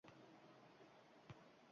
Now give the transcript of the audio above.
Botir firqa endi... yakkash o‘zi o‘yladi.